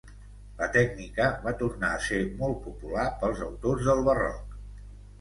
La tècnica va tornar a ser molt popular pels autors del barroc.